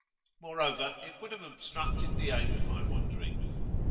Moreover, it would have obstructed the aim of my wanderings.